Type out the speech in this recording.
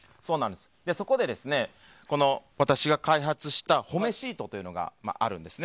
そこで私が開発したほめシートというのがあるんです。